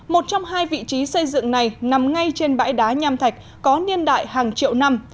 một trong hai vị trí xây dựng này nằm ngay trên bãi đá nham thạch có niên đại hàng triệu năm